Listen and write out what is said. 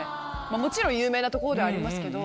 もちろん有名な所ではありますけど。